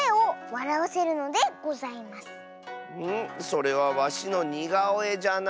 それはわしのにがおえじゃな。